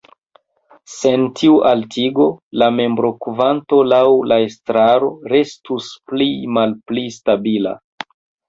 Sen tiu altigo, la membrokvanto laŭ la estraro restus pli-malpli stabila.